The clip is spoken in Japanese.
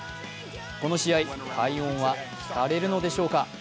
この試合、快音は聞かれるのでしょうか。